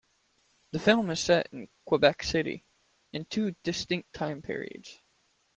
The film is set in Quebec City, in two distinct time periods.